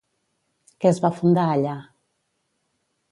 Què es va fundar allà?